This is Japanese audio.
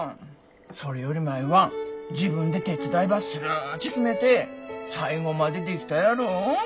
それより舞は自分で手伝いばするっち決めて最後までできたやろ。